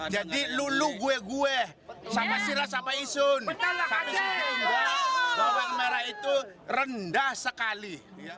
jadi lulu gue gue sama sirah sama isun bawang merah itu rendah sekali